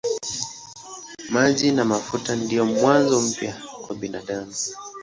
Maji na mafuta ndiyo mwanzo mpya kwa binadamu.